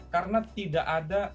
karena tidak ada